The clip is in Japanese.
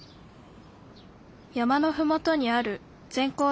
山のふもとにある全校